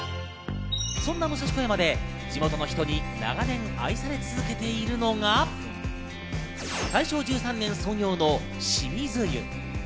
そんな武蔵小山で地元の人に長年愛され続けているのが、大正１３年創業の清水湯。